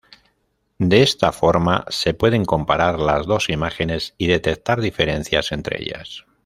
De esta forma se pueden comparar las dos imágenes y detectar diferencias entre ellas.